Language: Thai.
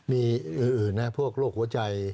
มีอื่นนะพวกโรคหัวใจ